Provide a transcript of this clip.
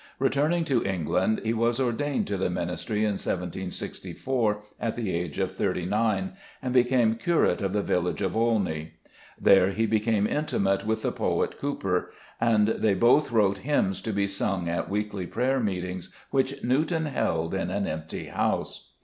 Returning to England he was ordained to the ministry in 1 764 at the age of thirty nine, and became curate of the village of Olney. There he became intimate with the poet Cowper, and they both wrote hymns to be sung at weekly prayer meetings which Newton held in an empty house.